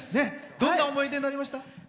どんな思い出になりました？